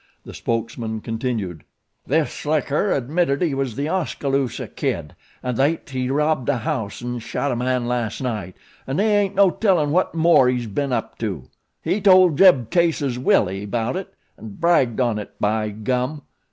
The spokesman continued. "This slicker admitted he was The Oskaloosa Kid, 'n' thet he robbed a house an' shot a man las' night; 'n' they ain't no tellin' what more he's ben up to. He tole Jeb Case's Willie 'bout it; an' bragged on it, by gum.